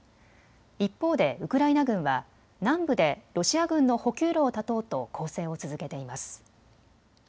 一方でウクライナ軍は南部でロシア軍の補給路を断とうと攻勢を続けています。